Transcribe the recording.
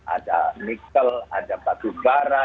ada nikel ada batu bara